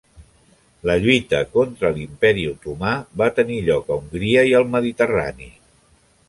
La lluita contra l'imperi Otomà va tenir lloc a Hongria i el Mediterrani.